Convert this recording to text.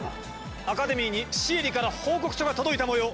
アカデミーにシエリから報告書が届いたもよう！